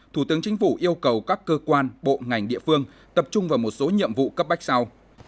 thủ tướng chính phủ yêu cầu các cơ quan bộ ngành địa phương tập trung vào một số nhiệm vụ cấp bách sau